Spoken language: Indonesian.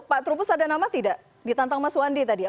pak terubus ada nama tidak di tantang mas wandi tadi ya